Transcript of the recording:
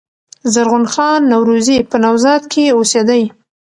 زرغون خان نورزي په "نوزاد" کښي اوسېدﺉ.